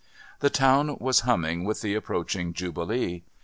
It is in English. The town was humming with the approaching Jubilee.